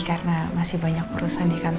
karena masih banyak urusan di kantor aku